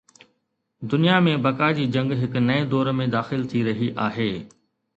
دنيا ۾ بقا جي جنگ هڪ نئين دور ۾ داخل ٿي رهي آهي.